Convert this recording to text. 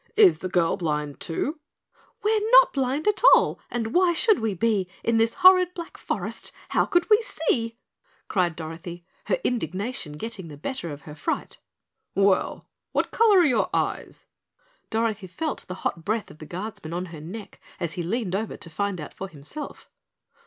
"Is the girl blind too?" "We're not blind at all and why should we be, In this horrid black forest how could we see?" cried Dorothy, her indignation getting the better of her fright. "Well, what color are your eyes?" Dorothy felt the hot breath of the Guardsman on her neck as he leaned over to find out for himself.